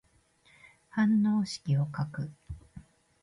反応式を書く。